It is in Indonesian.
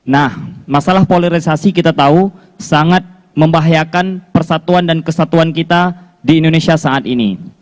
nah masalah polarisasi kita tahu sangat membahayakan persatuan dan kesatuan kita di indonesia saat ini